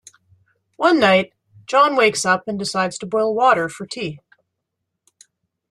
One night, John wakes up and decides to boil water for tea.